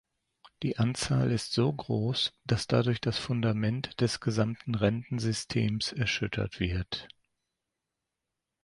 Die Anzahl ist so groß, dass dadurch das Fundament des gesamten Rentensystems erschüttert wird.